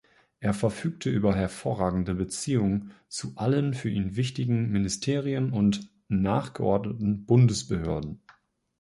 Er verfügte über hervorragende Beziehungen zu allen für ihn wichtigen Ministerien und nachgeordneten Bundesbehörden.